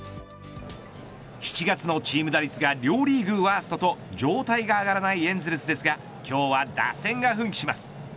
７月のチーム打率が両リーグワーストと状態が上がらないエンゼルスですが今日は打線が奮起します。